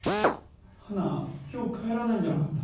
花今日帰らないんじゃなかった？